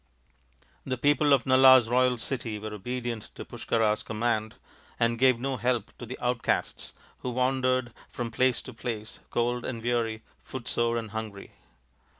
The people of Nala's royal city were obedient to Pushkara's command and gave no help to the out casts, who wandered from place to place, cold and wei^fy, footsore and hungry.